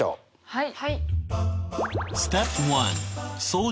はい。